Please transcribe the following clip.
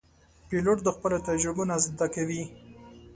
پیلوټ د خپلو تجربو نه زده کوي.